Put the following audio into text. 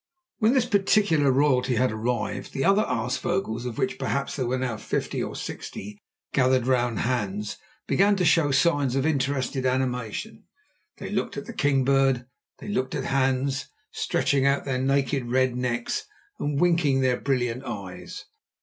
When this particular royalty had arrived, the other aasvogels, of which perhaps there were now fifty or sixty gathered round Hans, began to show signs of interested animation. They looked at the king bird, they looked at Hans, stretching out their naked red necks and winking their brilliant eyes.